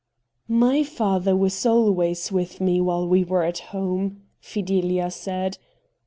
' My father was always with me while we were at home,' Fidelia said.